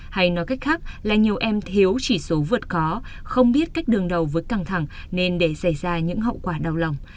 hay nói cách khác là nhiều em thiếu chỉ số vượt khó không biết cách đường đầu với căng thẳng nên để xảy ra những hậu quả đau lòng